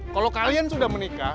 kalau kalian sudah menikah